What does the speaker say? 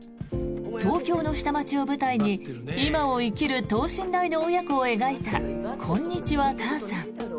東京の下町を舞台に今を生きる等身大の親子を描いた「こんにちは、母さん」。